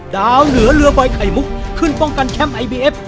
ดาวเหนือเรือใบไข่มุกขึ้นป้องกันแชมป์ไอบีเอฟ